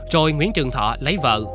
rồi nguyễn trường thọ lấy vợ